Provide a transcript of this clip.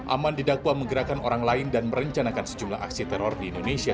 aman didakwa menggerakkan orang lain dan merencanakan sejumlah aksi teror di indonesia